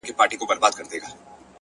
پوهه د محدودیتونو کړکۍ ماتوي.!